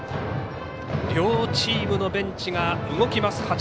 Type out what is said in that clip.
両チームのベンチが動きます